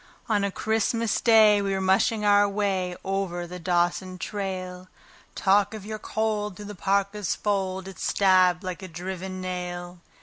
On a Christmas Day we were mushing our way over the Dawson trail. Talk of your cold! through the parka's fold it stabbed like a driven nail.